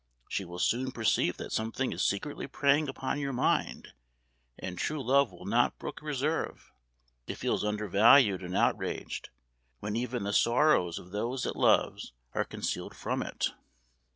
She will soon perceive that something is secretly preying upon your mind; and true love will not brook reserve; it feels undervalued and outraged, when even the sorrows of those it loves are concealed from it."